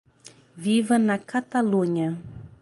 Viva na Catalunha!